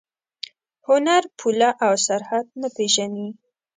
هنر پوله او سرحد نه پېژني.